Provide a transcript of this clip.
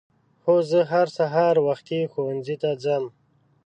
هو زه هر سهار وختي ښؤونځي ته ځم.